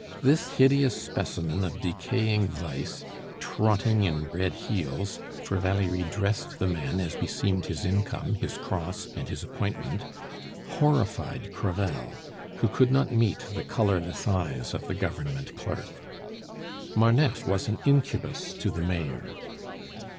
This hideous specimen of decaying vice, trotting in red heels for Valerie dressed the man as beseemed his income, his cross, and his appointment horrified Crevel, who could not meet the colorless eyes of the Government clerk. Marneffe was an incubus to the Mayor.